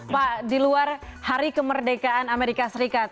pak di luar hari kemerdekaan amerika serikat